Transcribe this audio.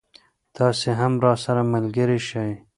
تاسې هم راسره ملګری شئ.